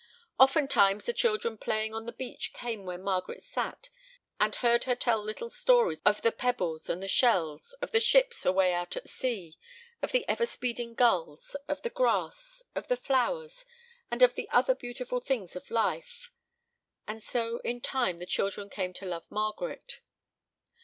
Oftentimes the children playing on the beach came where Margaret sat, and heard her tell little stories of the pebbles and the shells, of the ships away out at sea, of the ever speeding gulls, of the grass, of the flowers, and of the other beautiful things of life; and so in time the children came to love Margaret.